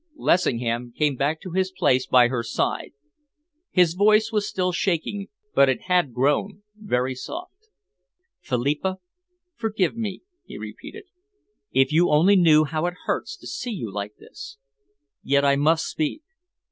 Lessingham came back to his place by her side. His voice was still shaking, but it had grown very soft. "Philippa, forgive me," he repeated. "If you only knew how it hurts to see you like this! Yet I must speak.